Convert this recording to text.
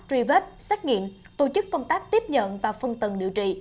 truy vết xét nghiệm tổ chức công tác tiếp nhận và phân tầng điều trị